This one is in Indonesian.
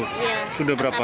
ambruk sudah berapa